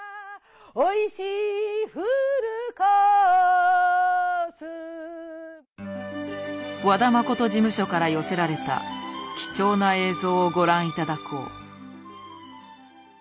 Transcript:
おいしいフルコース和田誠事務所から寄せられた貴重な映像をご覧頂こう。